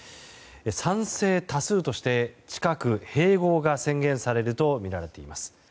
賛成多数として、近く併合が宣言されるとみられています。